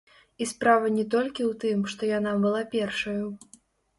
І справа не толькі ў тым, што яна была першаю.